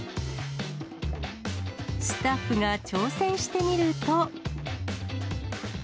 スタッフが挑戦してみると。